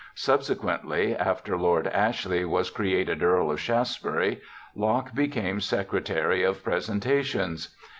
Subsequently, after Lord Ashley was created Earl of Shaftesbury, Locke became Secre tary of Presentations.